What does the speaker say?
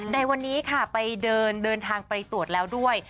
ในวันนี้ค่ะไปเดินทางไปตรวจแล้วด้วย